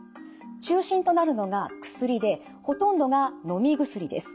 中心となるのが薬でほとんどがのみ薬です。